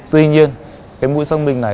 tuy nhiên cái mũi xác minh này